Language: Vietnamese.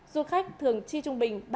du khách thường chi trung bình